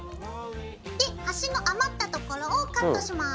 で端の余ったところをカットします。